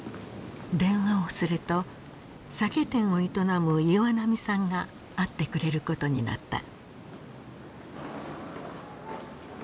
電話をすると酒店を営む岩波さんが会ってくれることになった。